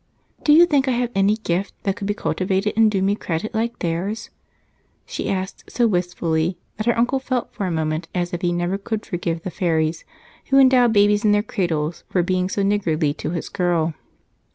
Do you think I have any gift that could be cultivated and do me credit like theirs?" she asked so wistfully that her uncle felt for a moment as if he never could forgive the fairies who endow babies in their cradles for being so niggardly to his girl.